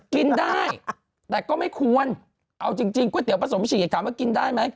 กินได้แต่ก็ไม่ควรเอาจริงก๋วยเตี๋ยผสมฉีกถามว่ากินได้ไหม